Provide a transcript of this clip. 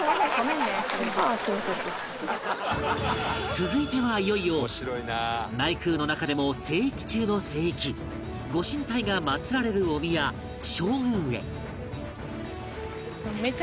続いてはいよいよ内宮の中でも聖域中の聖域御神体が祀られるお宮正宮へ